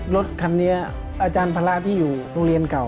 รถคันนี้อาจารย์ภาระที่อยู่โรงเรียนเก่า